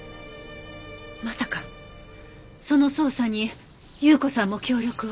まさかその捜査に有雨子さんも協力を？